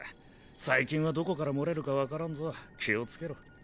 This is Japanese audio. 最近はどこから漏れるか分からんぞ気をつけろ。